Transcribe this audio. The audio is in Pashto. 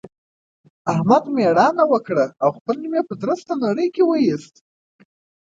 احمد مېړانه وکړه او خپل نوم يې په درسته نړۍ کې واېست.